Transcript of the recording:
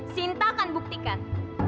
sinta akan buktikan